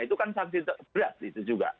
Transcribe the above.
itu kan sanksi berat itu juga